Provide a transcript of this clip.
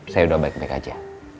saya udah baik baik aja